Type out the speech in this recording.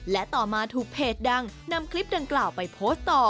และต่อมาถูกเพจดังนำคลิปดังกล่าวไปโพสต์ต่อ